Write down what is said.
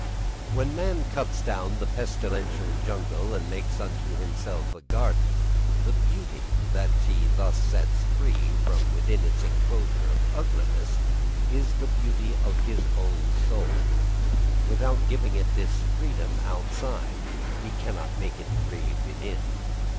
When man cuts down the pestilential jungle and makes unto himself a garden, the beauty that he thus sets free from within its enclosure of ugliness is the beauty of his own soul: without giving it this freedom outside, he cannot make it free within.